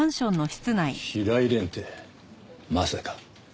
平井蓮ってまさか。